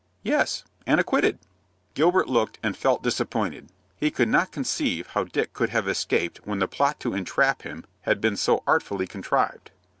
"Yes, and acquitted." Gilbert looked and felt disappointed. He could not conceive how Dick could have escaped when the plot to entrap him had been so artfully contrived.